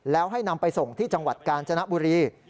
แล้วให้นำไปส่งที่จังหวัดกาญจนบุรี